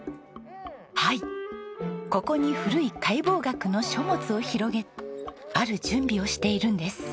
はいここに古い解剖学の書物を広げある準備をしているんです。